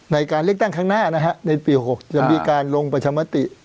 ในการเลือกตั้งข้างหน้านะฮะในปี๖จะมีการลงประชามติ